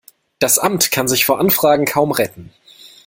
Das Amt kann sich vor Anfragen kaum retten.